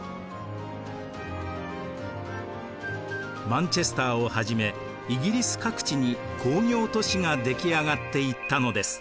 マンチェスターをはじめイギリス各地に工業都市が出来上がっていったのです。